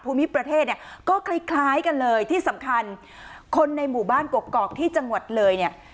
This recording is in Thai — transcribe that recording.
ประเทศเนี่ยก็คล้ายคล้ายกันเลยที่สำคัญคนในหมู่บ้านกกอกที่จังหวัดเลยเนี่ย